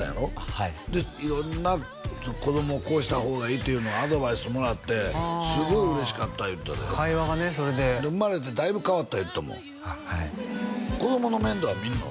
はいで色んな子供こうした方がいいっていうのアドバイスもらってすごい嬉しかった言うてたで会話がねそれでで生まれてだいぶ変わった言うてたもんああはい子供の面倒は見んの？